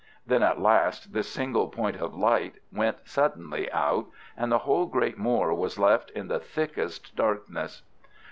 Then at last this single point of light went suddenly out, and the whole great moor was left in the thickest darkness.